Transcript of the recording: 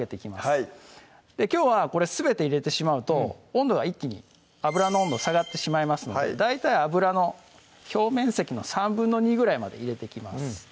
はいきょうはこれすべて入れてしまうと温度が一気に油の温度下がってしまいますので大体油の表面積の２／３ぐらいまで入れていきます